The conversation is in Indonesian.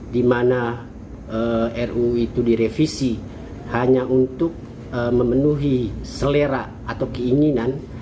di mana ruu itu direvisi hanya untuk memenuhi selera atau keinginan